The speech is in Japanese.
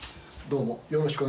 どうも。